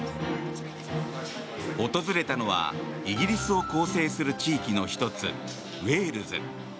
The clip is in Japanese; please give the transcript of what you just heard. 訪れたのはイギリスを構成する地域の１つ、ウェールズ。